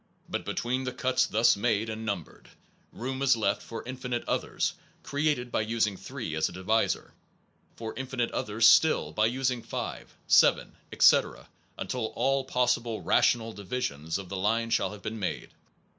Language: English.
But between the cuts thus made and numbered, room is left for infinite others created by using 3 as a divisor, for infinite others still by using 5, 7, etc., until all possible rational divisions of the line shall have been made.